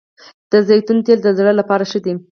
د زیتون تېل د زړه لپاره ښه دي